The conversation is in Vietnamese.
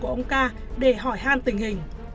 của ông ca để hỏi han tình hình